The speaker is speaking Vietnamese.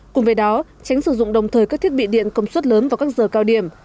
cùng với đó tránh sử dụng đồng thời các thiết bị điện công suất lớn vào các giờ cao điểm